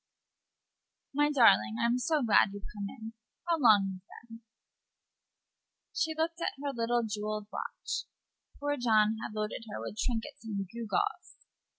"My darling, I'm so glad you've come in. How long you've been!" She looked at her little jewelled watch. Poor John had loaded her with trinkets and gewgaws.